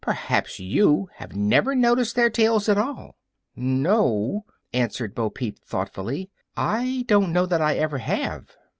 Perhaps you have never noticed their tails at all." "No," answered Bo Peep, thoughtfully, "I don't know that I ever have."